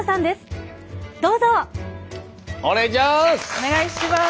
お願いします！